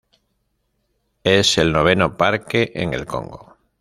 Es el noveno parque en el Congo.